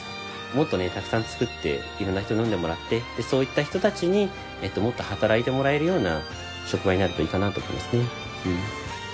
もっとねたくさん作っていろんな人に飲んでもらってそういった人たちにもっと働いてもらえるような職場になるといいかなと思いますね。